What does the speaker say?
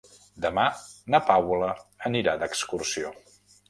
Demà na Paula anirà d'excursió.